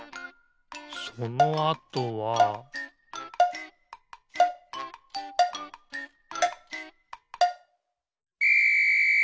そのあとはピッ！